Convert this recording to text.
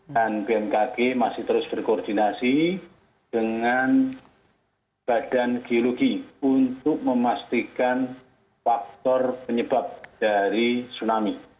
dan bmkg masih terus berkoordinasi dengan badan geologi untuk memastikan faktor penyebab dari tsunami